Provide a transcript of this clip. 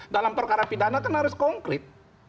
dalam perkara pidana kan harus konkret